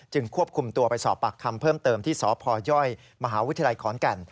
ควบคุมตัวไปสอบปากคำเพิ่มเติมที่สพยมหาวิทยาลัยขอนแก่น